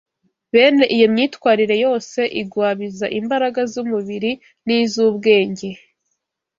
Bene iyo myitwarire yose igwabiza imbaraga z’umubiri n’iz’ubwenge